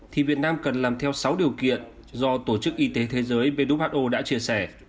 thì việt nam cần làm theo sáu điều kiện do tổ chức y tế thế giới who đã chia sẻ